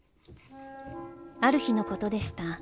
「ある日のことでした。